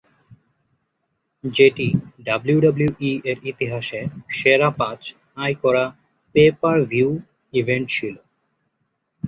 যেটি ডাব্লিউডাব্লিউই এর ইতিহাসে সেরা পাঁচ আয় করা পে-পার-ভিউ ইভেন্ট ছিল।